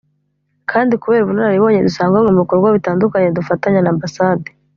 kandi kubera ubunararibonye dusanganywe mu bikorwa bitandukanye dufatanya na Ambasade